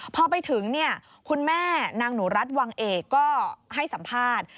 พอไปถึงคุณแม่นางหนูรัฐวังเอกก็ให้สัมภาษณ์